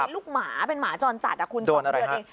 ลูกหมาเป็นหมาจรจัดคุณ๒เดือนเอง